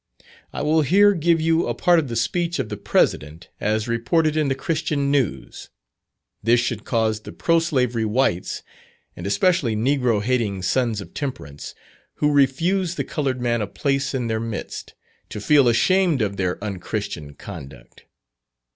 I will here give you a part of the speech of the President, as reported in the Christian News. This should cause the pro slavery whites, and especially negro hating Sons of Temperance, who refuse the coloured man a place in their midst, to feel ashamed of their unchristian conduct.